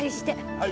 はい。